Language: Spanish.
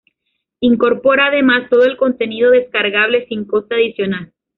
Incorpora, además, todo el contenido descargable sin coste adicional.